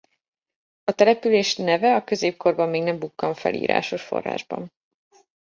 A települést neve a középkorban még nem bukkan fel írásos forrásban.